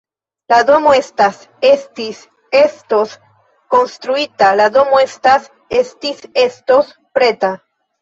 La domo estas, estis, estos konstruita: la domo estas, estis, estos preta.